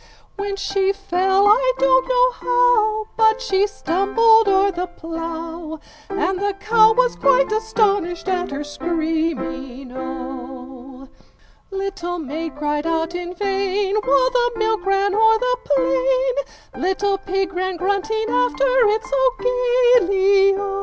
When she fell, I don't know how, But she stumbled o'er the plough, And the cow was quite astonished at her screaming O! 4 Little maid cried out in vain, While the milk ran o'er the plain, Little pig ran grunting after it so gaily O!